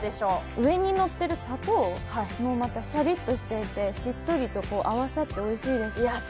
上にのってる砂糖もシャリッとしていてしっとりと合わさっておいしいですね。